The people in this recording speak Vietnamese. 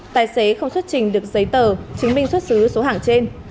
tài xế không xuất trình được giấy tờ chứng minh xuất xứ số hàng trên